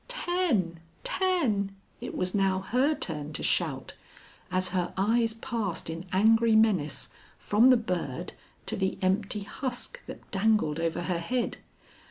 "Ten! ten!" it was now her turn to shout, as her eyes passed in angry menace from the bird to the empty husk that dangled over her head.